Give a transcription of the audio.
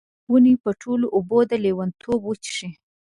ونې به ټوله اوبه، د لیونتوب وچیښي